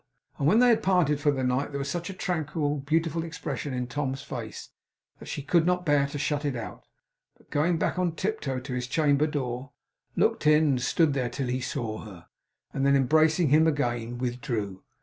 And when they parted for the night there was such a tranquil, beautiful expression in Tom's face, that she could not bear to shut it out, but going back on tiptoe to his chamber door, looked in and stood there till he saw her, and then embracing him again, withdrew.